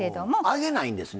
揚げないんですね？